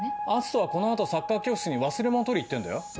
篤斗はこの後サッカー教室に忘れ物取りに行ってんだよ。